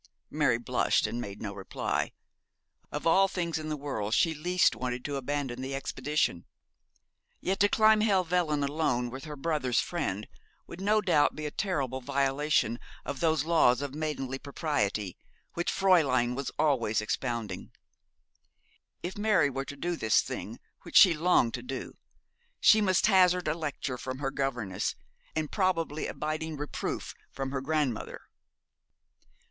Mary blushed, and made no reply. Of all things in the world she least wanted to abandon the expedition. Yet to climb Helvellyn alone with her brother's friend would no doubt be a terrible violation of those laws of maidenly propriety which Fräulein was always expounding. If Mary were to do this thing, which she longed to do, she must hazard a lecture from her governess, and probably a biting reproof from her grandmother.